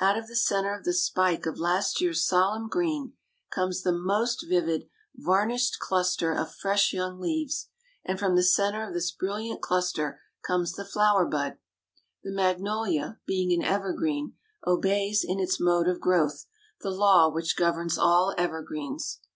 Out of the centre of the spike of last year's solemn green comes the most vivid, varnished cluster of fresh young leaves, and from the centre of this brilliant cluster comes the flower bud. The magnolia, being an evergreen, obeys in its mode of growth the law which governs all evergreens.